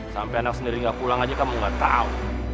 sampai anak sendiri enggak pulang aja kamu enggak tahu